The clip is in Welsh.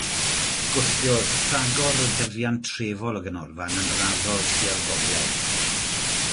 Gwthiodd rhagor o dyfiant trefol y ganolfan yn raddol tua'r gogledd.